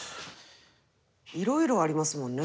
いろいろありますもんね